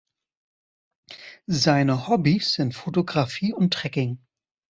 Seine Hobbys sind Fotografie und Trekking.